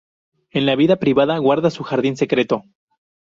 En la vida privada, guarda su jardín secreto.